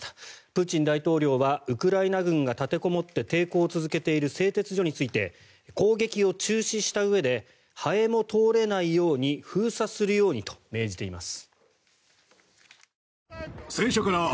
プーチン大統領はウクライナ軍が立てこもって抵抗を続けている製鉄所について攻撃を中止したうえでハエも通れないように封鎖するようにと命じています。